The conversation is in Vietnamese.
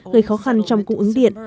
gây khó khăn trong cung ứng điện